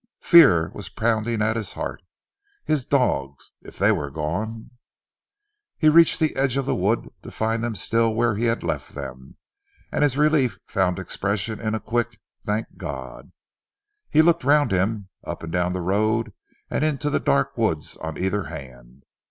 Fear was pounding at his heart. His dogs? If they were gone He reached the edge of the wood to find them still where he had left them, and his relief found expression in a quick "Thank God!" He looked round him, up and down the road and into the dark woods on either hand.